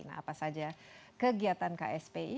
nah apa saja kegiatan kspi